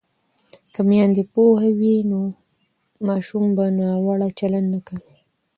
که میندې پوهې وي نو ماشومان به ناوړه چلند نه کوي.